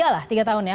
tiga lah tiga tahun ya